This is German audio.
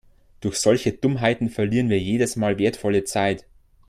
Durch solche Dummheiten verlieren wir jedes Mal wertvolle Zeit.